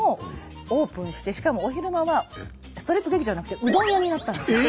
しかもお昼間はストリップ劇場じゃなくてうどん屋になったんですよ。